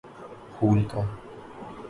پھول کا